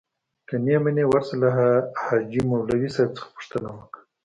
که نې منې ورسه له حاجي مولوي څخه پوښتنه وکه.